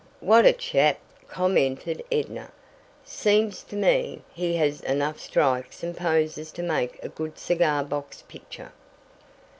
"What a chap!" commented Edna. "Seems to me he has enough strikes and poses to make a good cigar box picture."